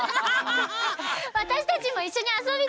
わたしたちもいっしょにあそびたい！